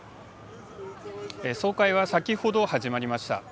総会は、先ほど始まりました。